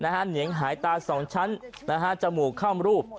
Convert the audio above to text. เหนียงหายตาสองชั้นจมูกค่ำรูป